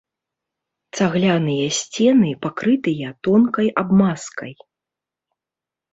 Цагляныя сцены пакрытыя тонкай абмазкай.